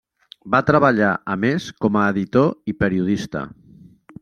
Va treballar a més com a editor i periodista.